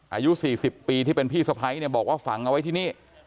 อายุ๔๐ปีที่เป็นพี่สะพ้ายเนี่ยบอกว่าฝังเอาไว้ที่นี่